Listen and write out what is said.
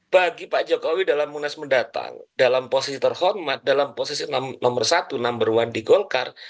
bagi pak jokowi dalam munas mendatang dalam posisi terhormat dalam posisi nomor satu number one di golkar